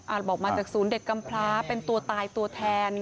บอกมาจากศูนย์เด็กกำพลาเป็นตัวตายตัวแทน